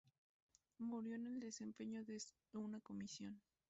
Murió en el desempeño de una comisión.